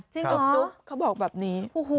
จริงหรอเขาบอกแบบนี้